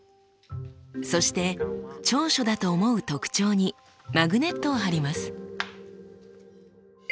そして長所だと思う特徴にマグネットを貼ります。